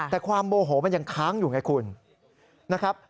แต่ความโมโหมันยังค้างอยู่ในนายคุณ